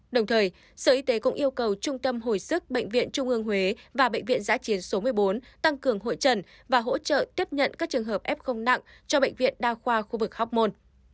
đồng thời sở y tế cũng yêu cầu trung tâm hồi sức bệnh viện trung ương huế và bệnh viện giã chiến số một mươi bốn tăng cường hội trần và hỗ trợ tiếp nhận các trường hợp f nặng cho bệnh viện đa khoa khu vực hóc môn